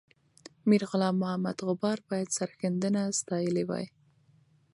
میرغلام محمد غبار باید سرښندنه ستایلې وای.